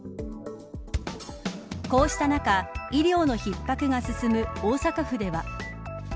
こうした中、医療の逼迫が進む大阪府では。